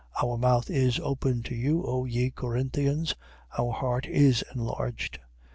6:11. Our mouth is open to you, O ye Corinthians: our heart is enlarged.